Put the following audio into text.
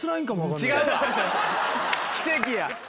奇跡や。